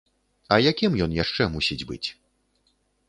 А якім ён яшчэ мусіць быць?!